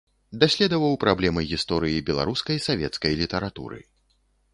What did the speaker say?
Даследаваў праблемы гісторыі беларускай савецкай літаратуры.